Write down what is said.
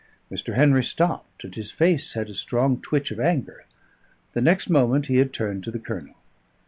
Mr. Henry stopped, and his face had a strong twitch of anger. The next moment he had turned to the Colonel.